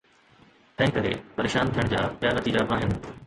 تنهنڪري پريشان ٿيڻ جا ٻيا نتيجا آهن.